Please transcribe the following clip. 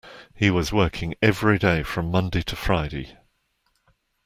He was working every day from Monday to Friday